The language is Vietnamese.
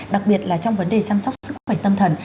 đặc biệt là trong vấn đề chăm sóc sức khỏe tâm thần